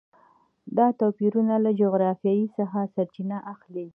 دا توپیرونه له جغرافیې څخه سرچینه اخلي.